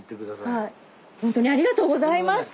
ほんとにありがとうございました。